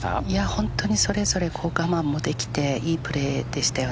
本当にそれぞれ我慢もできて良いプレーでした。